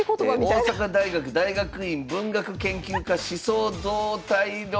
大阪大学大学院文学研究科思想動態論